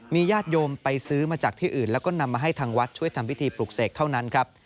ญาติโยมไปซื้อมาจากที่อื่นแล้วก็นำมาให้ทางวัดช่วยทำพิธีปลูกเสกเท่านั้นครับ